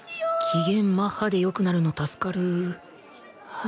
機嫌マッハで良くなるの助かる